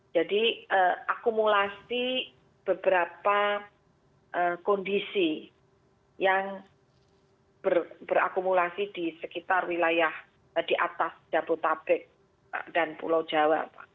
jadi akumulasi beberapa kondisi yang berakumulasi di sekitar wilayah di atas jabodetabek dan pulau jawa